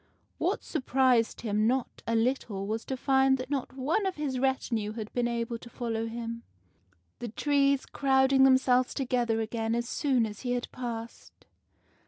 What surprised him not a little was to find that not one of his retinue had been able to follow him, the trees crowding themselves together again as soon as he had passed.